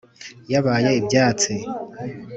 yabaye ibyatsi